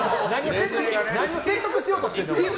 何を説得しようとしてるの。